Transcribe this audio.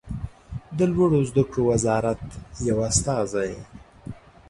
د لوړو زده کړو وزارت یو استازی